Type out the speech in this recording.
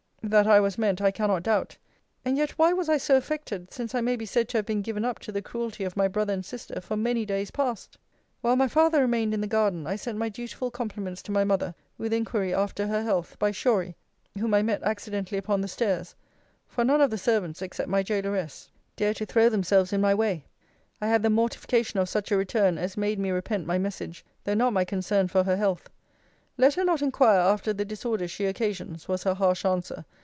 That I was meant, I cannot doubt. And yet, why was I so affected; since I may be said to have been given up to the cruelty of my brother and sister for many days past? While my father remained in the garden, I sent my dutiful compliments to my mother, with inquiry after her health, by Shorey, whom I met accidentally upon the stairs; for none of the servants, except my gaoleress, dare to throw themselves in my way. I had the mortification of such a return, as made me repent my message, though not my concern for her health. 'Let her not inquire after the disorders she occasions,' was her harsh answer.